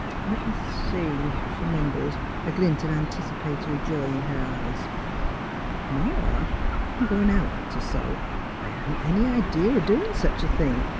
*' Le' me see," she mumbled, a glint of antici patory joy in her eyes. " T ' morrow I'm goin* out t' sew. I hadn't any idee o' doin' sech a thing.